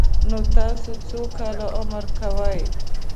_نو تاسو څو کاله عمر کوئ؟